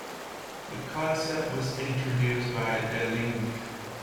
The concept was introduced by Deligne.